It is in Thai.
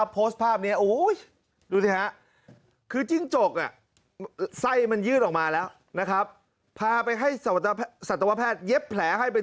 โพสต์ภาพนี้